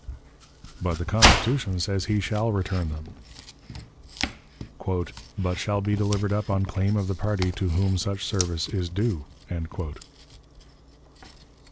But the Constitution says he shall return them "but shall be delivered up on claim of the party to whom such service is due."